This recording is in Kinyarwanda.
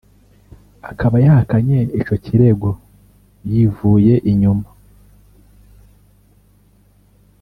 akaba yahakanye ico kirego yivuye inyuma